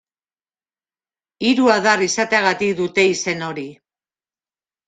Hiru adar izateagatik dute izen hori.